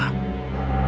jika kau menang